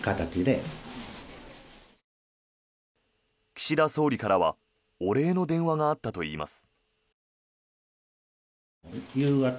岸田総理からはお礼の電話があったといいます。